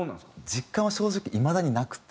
実感は正直いまだになくて。